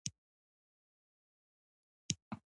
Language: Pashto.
د اقتصاد کوم ماهر یې علاج نشي کولی.